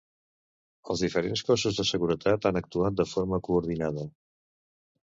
Els diferents cossos de seguretat han actuat de forma coordinada.